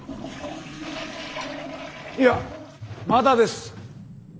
いやまだです！